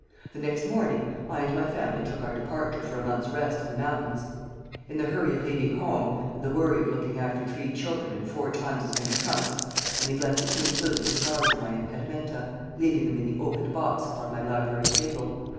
The next morning I and my family took our departure for a month's rest in the mountains. In the hurry of leaving home, and the worry of looking after three children and four times as many trunks, I neglected to include the cigars in my impedimenta, leaving them in the opened box upon my library table.